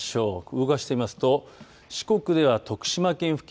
動かしてみますと四国では徳島県付近